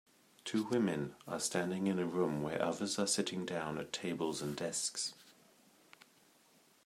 Two women are standing in a room where others are sitting down at tables and desks.